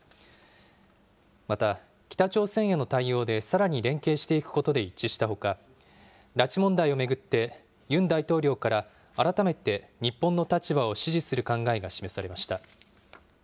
また、北朝鮮への対応でさらに連携していくことで一致したほか、拉致問題を巡って、ユン大統領から改めて日本の立場を支持する考えが示されました。